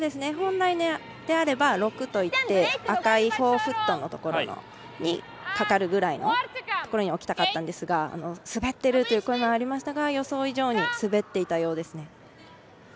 本来であれば６といって赤い４フットのところにかかるぐらいのところに置きたかったんですが滑ってるという声もありましたが予想以上に滑っていたようですね。